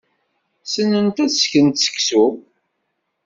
Ssnent ad sekrent seksu.